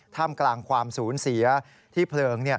ท่ามกลางความสูญเสียที่เพลิง